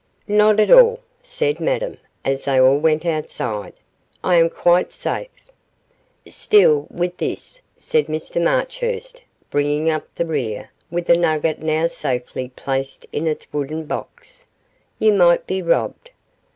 'Not at all,' said Madame, as they all went outside; 'I am quite safe.' 'Still, with this,' said Mr Marchurst, bringing up the rear, with the nugget now safely placed in its wooden box, 'you might be robbed.